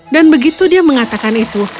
dan begitu dia mengatakan itu